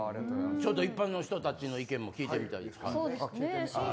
一般の人たちの意見も聞いてみたいです。